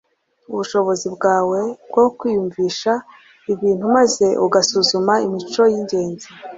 ubushobozi bwawe bwo kwiyumvisha ibintu maze ugasuzuma imico y ingenzi